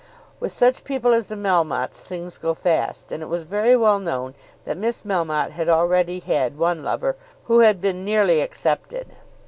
With such people as the Melmottes things go fast, and it was very well known that Miss Melmotte had already had one lover who had been nearly accepted.